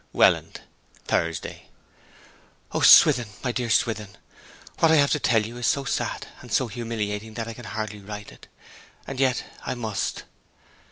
'WELLAND, Thursday. 'O Swithin, my dear Swithin, what I have to tell you is so sad and so humiliating that I can hardly write it and yet I must.